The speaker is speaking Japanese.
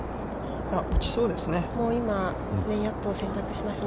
打ちそうですね。